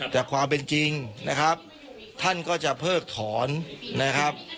แต่ความเป็นจริงนะครับท่านก็จะเพิกถอนนะครับ